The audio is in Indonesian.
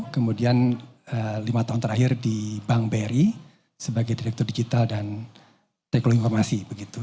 kemudian lima tahun terakhir di bank bri sebagai direktur digital dan teknologi informasi